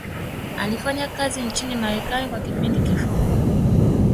alifanya kazi nchini marekani kwa kipindi kifupi